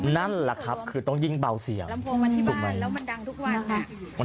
นั่นละครับคือต้องยิ่งเบาเสี่ยง